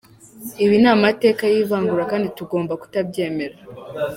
Ibi ni amateka y’ivangura kandi tugoma kutabyemera.